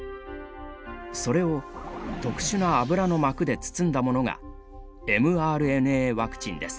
それを特殊な脂の膜で包んだものがｍＲＮＡワクチンです。